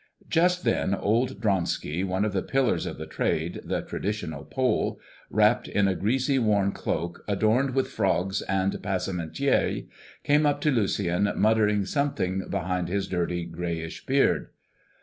Just then old Dronski, one of the pillars of the trade, the traditional Pole, wrapped in the greasy worn cloak adorned with frogs and passementerie, came up to Lucien muttering something behind his dirty grayish beard.